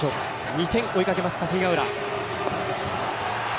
２点、追いかけます霞ヶ浦。